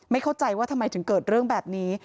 เข้าใจว่าทำไมถึงเกิดเรื่องแบบนี้